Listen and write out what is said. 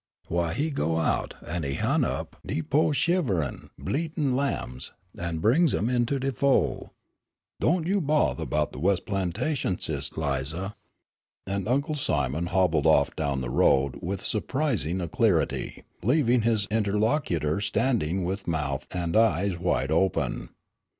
Why, he go out, an' he hunt up de po' shiverin', bleatin' lambs and brings 'em into de fol'. Don't you bothah 'bout de wes' plantation, sis' Lize." And Uncle Simon hobbled off down the road with surprising alacrity, leaving his interlocutor standing with mouth and eyes wide open.